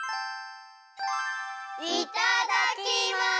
いただきます！